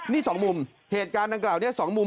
นี่สองมุมเหตุการณ์ดังกล่าวนี้๒มุม